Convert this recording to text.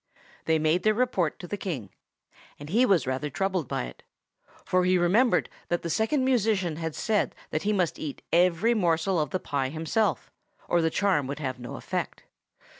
They made their report to the King, and he was rather troubled by it; for he remembered that the Second Musician had said he must eat every morsel of the pie himself, or the charm would have no effect.